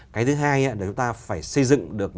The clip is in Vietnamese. cái thứ hai là chúng ta phải xây dựng được